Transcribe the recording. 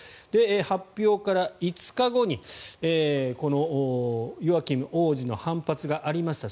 発表から５日後にこのヨアキム王子の反発がありました。